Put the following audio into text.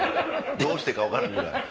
どうしていいか分からん。